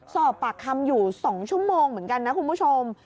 สอบปากคำอยู่๒ชั่วโมงเหมือนกันนะคุณผู้ชม